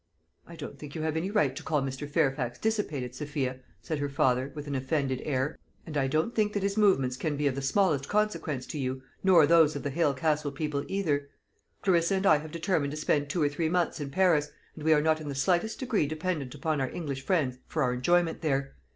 "I don't think you have any right to call Mr. Fairfax dissipated, Sophia," said her father, with an offended air; "and I don't think that his movements can be of the smallest consequence to you, nor those of the Hale Castle people either. Clarissa and I have determined to spend two or three months in Paris, and we are not in the slightest degree dependent upon our English friends for our enjoyment there.